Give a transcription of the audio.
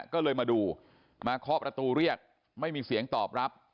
ก็เลยมาดูมาเคาะประตูเรียกไม่มีเสียงตอบรับ